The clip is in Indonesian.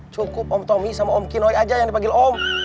cukup omtomi sama om kinoi aja yang dipanggil om